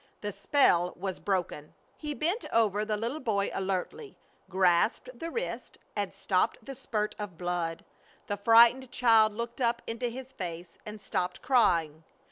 The spell was broken. He bent over the little boy alertly, grasped the wrist, and stopped the spurt of blood. The frightened child looked up into his face and stopped crying.